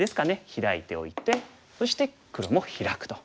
ヒラいておいてそして黒もヒラくと。